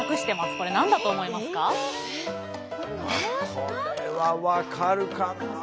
これは分かるかなあ。